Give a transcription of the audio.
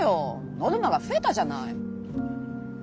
ノルマが増えたじゃない。